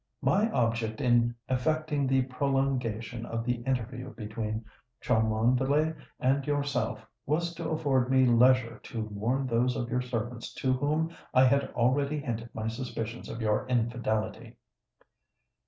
My object in effecting the prolongation of the interview between Cholmondeley and yourself, was to afford me leisure to warn those of your servants to whom I had already hinted my suspicions of your infidelity."